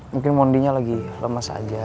mungkin monde nya lagi lemes aja